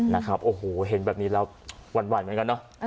นะครับโอ้โหเห็นแบบนี้แล้วหวั่นเหมือนกันเนอะ